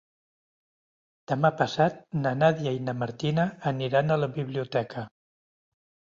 Demà passat na Nàdia i na Martina aniran a la biblioteca.